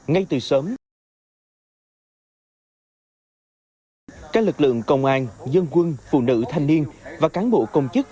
ngay từ sớm các lực lượng công an dân quân phụ nữ thanh niên và cán bộ công chức